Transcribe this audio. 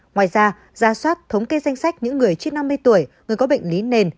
ngoài ra giả soát thống kê danh sách những người trên năm mươi tuổi người có bệnh lý nền